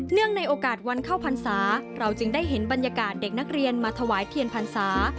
ในโอกาสวันเข้าพรรษาเราจึงได้เห็นบรรยากาศเด็กนักเรียนมาถวายเทียนพรรษา